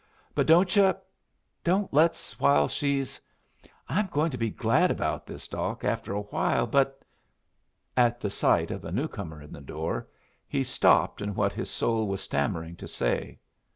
But don't yu' don't let's while she's I'm going to be glad about this, Doc, after awhile, but " At the sight of a new comer in the door, he stopped in what his soul was stammering to say.